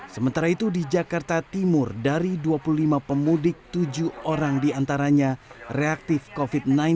sementara itu di jakarta timur dari dua puluh lima pemudik tujuh orang diantaranya reaktif covid sembilan belas